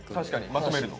まとめるの？